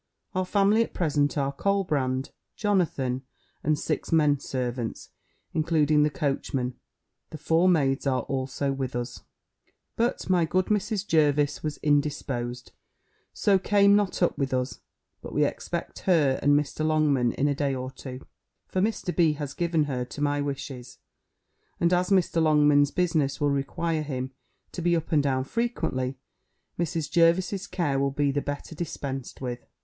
Our family at present are Colbrand, Jonathan, and six men servants, including the coachman. The four maids are also with us. But my good Mrs. Jervis was indisposed; so came not up with us; but we expect her and Mr. Longman in a day or two: for Mr. B. has given her to my wishes; and as Mr. Longman's business will require him to be up and down frequently, Mrs. Jervis's care will be the better dispensed with.